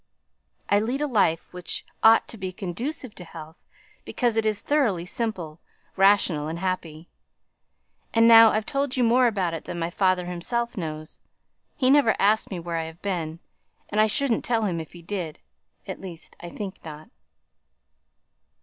I lead a life which ought to be conducive to health, because it is thoroughly simple, rational, and happy. And now I've told you more about it than my father himself knows. He never asks me where I've been; and I shouldn't tell him if he did at least, I think not."